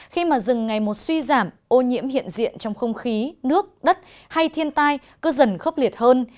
khi mà dừng ngày một suy giảm ô nhiễm hiện diện trong không khí nước đất hay thiên tai cứ dần khốc liệt hơn